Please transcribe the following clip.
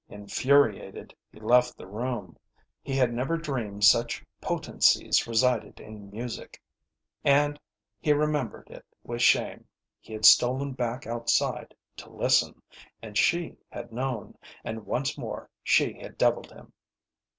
Infuriated, he left the room. He had never dreamed such potencies resided in music. And then, and he remembered it with shame, he had stolen back outside to listen, and she had known, and once more she had devilled him.